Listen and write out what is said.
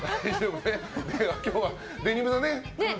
今日はデニムのね。